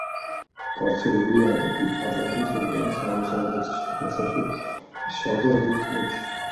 გავრცელებულია ატლანტის ოკეანის აღმოსავლეთ ნაწილში, ხმელთაშუა, შავ და აზოვის ზღვებში.